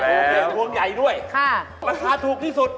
กระเทียม๑ธวงใหญ่ด้วยปราคาถูกที่สุด